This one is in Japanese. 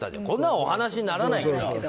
こんなのお話にならないじゃん。